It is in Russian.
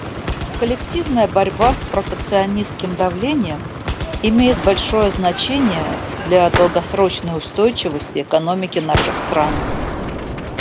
Коллективная борьба с протекционистским давлением имеет большое значение для долгосрочной устойчивости экономики наших стран.